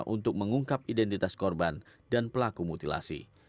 untuk mengungkap identitas korban dan pelaku mutilasi